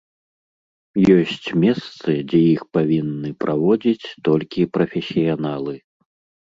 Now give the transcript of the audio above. Ёсць месцы, дзе іх павінны праводзіць толькі прафесіяналы.